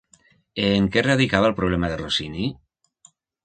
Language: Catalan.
En què radicava el problema de Rossini?